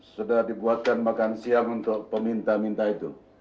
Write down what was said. sudah dibuatkan makan siang untuk peminta minta itu